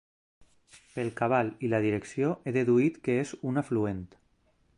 Pel cabal i la direcció he deduït que és un afluent.